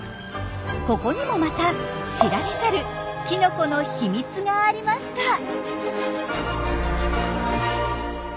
ここにもまた知られざるキノコのひみつがありました。